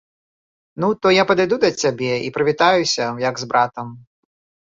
Ну, то я падыду да цябе і прывітаюся, як з братам.